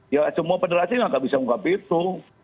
ya semua federasi nggak bisa mengungkap itu